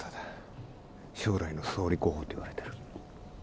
将来の総理候補といわれてる。